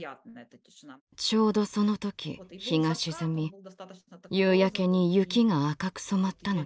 ちょうどその時日が沈み夕焼けに雪が赤く染まったのです。